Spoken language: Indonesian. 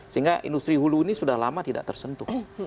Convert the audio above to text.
sehingga industri hulu ini sudah lama tidak tersentuh